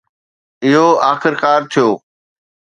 اهو آخرڪار ٿيو.